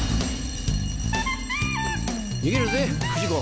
逃げるぜ不二子。